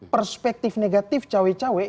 perspektif negatif cewek cewek